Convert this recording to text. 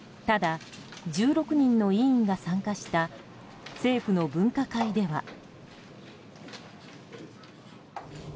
ただ、１６人の委員が参加した政府の分科会では。